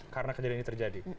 karena kejadian ini terjadi